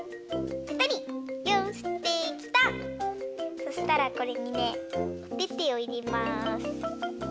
そしたらこれにねおててをいれます。